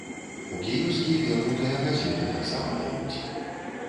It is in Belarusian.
У кіёскі вернутыя газеты таксама даюць.